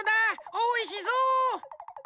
おいしそう。